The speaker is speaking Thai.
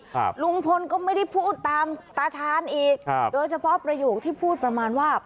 ครับลุงพลก็ไม่ได้พูดตามตาชาญอีกครับโดยเฉพาะประโยคที่พูดประมาณว่า